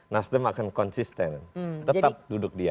nasdem akan konsisten tetap duduk dia